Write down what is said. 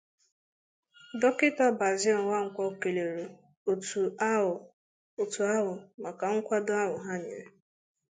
Dọkịta Basil Nwankwọ kelere òtù ahụ maka nkwàdo ahụ ha nyere